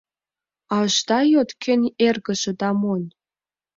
А ышда йод, кӧн эргыже да монь?